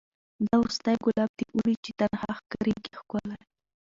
دا وروستی ګلاب د اوړي چي تنها ښکاریږي ښکلی